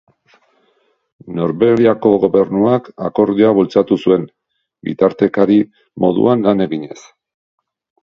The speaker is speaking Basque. Norvegiako gobernuak akordioa bultzatu zuen, bitartekari moduan lan eginez.